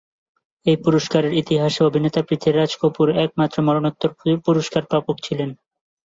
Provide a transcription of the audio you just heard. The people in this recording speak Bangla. এই পুরস্কারের ইতিহাসে অভিনেতা পৃথ্বীরাজ কপূর একমাত্র মরণোত্তর পুরস্কার প্রাপক ছিলেন।